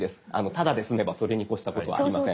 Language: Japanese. タダで済めばそれに越したことはありません。